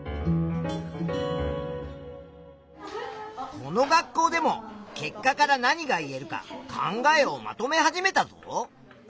この学校でも結果から何が言えるか考えをまとめ始めたぞ。